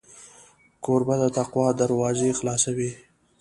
کوربه د تقوا دروازې خلاصوي.